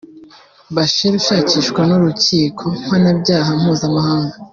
Bashir ushakishwa n’urukiko mpanabyaha mpuzamahanga